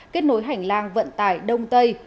kết nối hành lang vận tải đông tây